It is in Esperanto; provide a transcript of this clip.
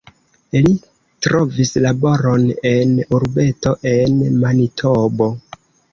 Li trovis laboron en urbeto en Manitobo.